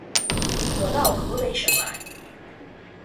我到河北省来